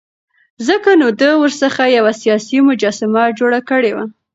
ځکه نو ده ورڅخه یوه سیاسي مجسمه جوړه کړې وه.